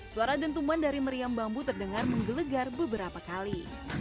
suara dentuman dari meriam bambu terdengar menggelegar beberapa kali